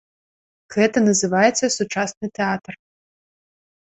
Гэта называецца сучасны тэатр!